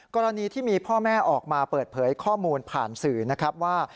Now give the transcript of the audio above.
กรณีที่มีพ่อแม่ออกมาเปิดเผยข้อมูลผ่านสื่อนะครับว่า